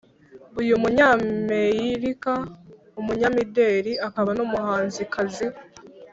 w’umunyameirika, umunyamideli akaba n’umuhanzikazi.